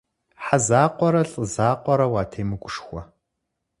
Хьэ закъуэрэ, лӏы закъуэрэ уатемыгушхуэ.